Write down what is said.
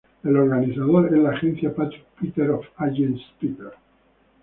El organizador es la agencia "Patrick Peter of Agence Peter".